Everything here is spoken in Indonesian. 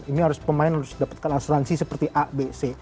ini pemain harus dapatkan asuransi seperti a b c